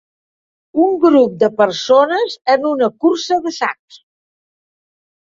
Un grup de persones en una cursa de sacs.